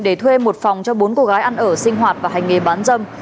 để thuê một phòng cho bốn cô gái ăn ở sinh hoạt và hành nghề bán dâm